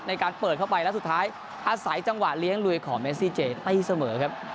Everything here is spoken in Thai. ในการเปิดเข้าไปแล้วสุดท้ายอาศัยจังหวะเลี้ยงลุยของเมซี่เจตีเสมอครับ